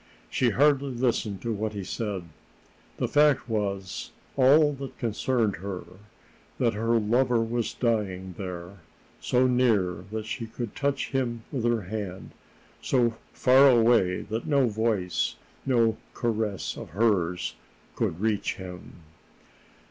She hardly listened to what he said. The fact was all that concerned her that her lover was dying there, so near that she could touch him with her hand, so far away that no voice, no caress of hers, could reach him.